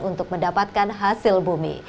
untuk mendapatkan hasil bumi